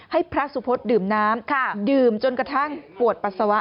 ให้พระสุพธดื่มน้ำดื่มจนกระทั่งปวดปัสสาวะ